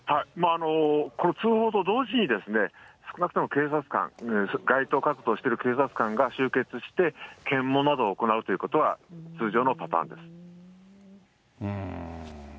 この通報と同時に、少なくとも警察官、街頭活動している警察官が集結して、検問などを行うということは通常のパターンです。